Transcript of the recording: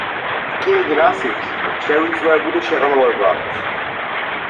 დასავლეთ კედელში პატარა, ზემოთ შევიწროებული შეღრმავებაა.